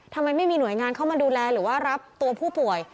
ทำไมไม่มีหน่วยงานเข้ามาดูแลหรือว่ารับตัวผู้ป่วย